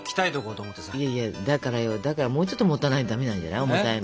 いやいやだからよだからもうちょっと持たないとダメなんじゃない？